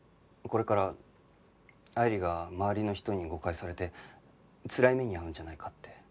これから愛理が周りの人に誤解されてつらい目に遭うんじゃないかって。